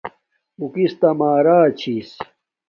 اُو کس تا مارا چھس